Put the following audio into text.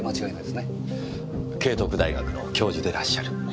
慶徳大学の教授でらっしゃる。